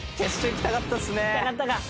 行きたかったか。